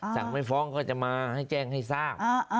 สั่งไม่ฟ้องก็จะมาให้แจ้งให้ทราบ